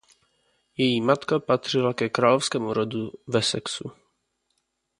Její matka patřila ke královskému rodu Wessexu.